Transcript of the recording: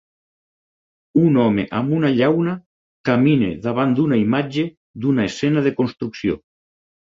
Un home amb una llauna camina davant d'una imatge d'una escena de construcció.